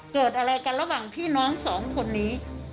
เกิดอะไรกันระหว่างพี่น้องสองคนนี้